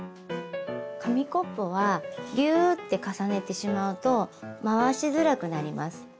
紙コップはギューって重ねてしまうと回しづらくなります。